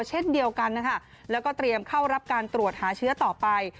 เช่นเดียวกันนะคะแล้วก็เตรียมเข้ารับการตรวจหาเชื้อต่อไป